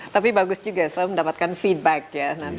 tapi bagus juga selalu mendapatkan feedback ya